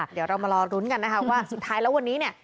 เดี๋ยวเรามารอลุ้นกันนะคะว่าสุดท้ายแล้ววันนี้เนี่ย